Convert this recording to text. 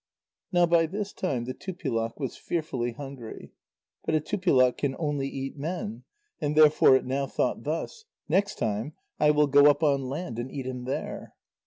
Now by this time the Tupilak was fearfully hungry. But a Tupilak can only eat men, and therefore it now thought thus: "Next time, I will go up on land and eat him there."